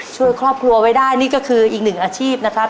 ช่วยครอบครัวไว้ได้นี่ก็คืออีกหนึ่งอาชีพนะครับ